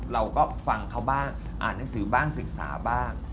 เราก็ฟังเขาบ้างอ่านหนังสือบ้างศึกษาบ้าง